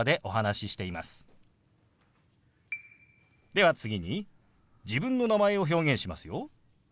では次に自分の名前を表現しますよ。